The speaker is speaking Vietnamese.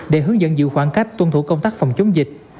để hướng dẫn giữ khoảng cách tuân thủ công tác phòng chống dịch